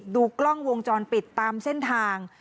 ดูกล้องวงจรปิดตามเส้นทาง